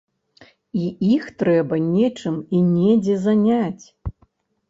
І іх трэба нечым і недзе заняць.